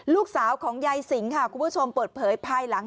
ลูกสาวของยายสิงค่ะคุณผู้ชมเปิดเผยภายหลัง